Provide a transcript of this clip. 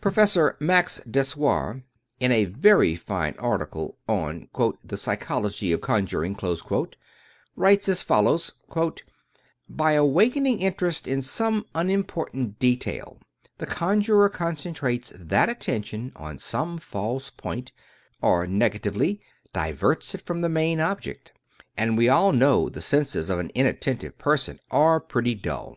Prof. Max Dessoir, in a very fine article on "The Psychology of Conjuring," writes as follows :" By awaken ing interest in some unimportant detail, the conjurer con centrates that attention on some false point, or negatively, diverts it from the main object, and we all know the senses of an inattentive person are pretty dull.